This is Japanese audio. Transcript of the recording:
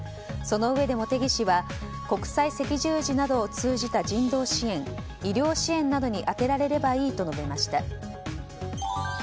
そのうえで、茂木氏は国際赤十字などを通じた人道支援医療支援などに充てられればいいと述べました。